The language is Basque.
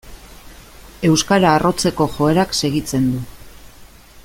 Euskara arrotzeko joerak segitzen du.